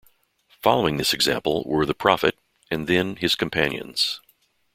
Following this example, were the Prophet and then His Companions.